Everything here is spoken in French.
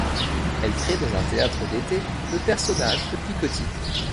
Elle crée dans un théâtre d'été le personnage de Picotine.